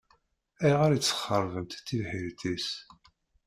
Ayɣer i tesxeṛbemt tibḥirt-is?